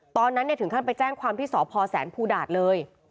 ตอนนั้นถึงขั้นไปแจ้งความที่สพแสนภูดาตเลย